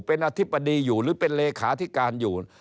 เป็นอธิบดีอยู่หรือเป็นเลขาธิการอยู่